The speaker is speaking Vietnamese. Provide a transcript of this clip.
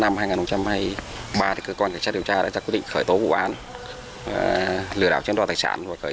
hai nghìn hai mươi ba thì cơ quan cảnh sát điều tra đã quyết định khởi tố vụ án lừa đảo chân đoàn tài sản và khởi